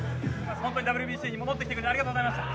本当にＷＢＣに戻ってきてくれてありがとうございました。